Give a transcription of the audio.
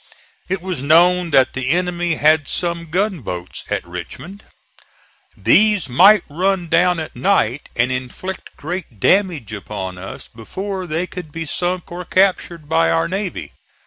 It was known that the enemy had some gunboats at Richmond. These might run down at night and inflict great damage upon us before they could be sunk or captured by our navy.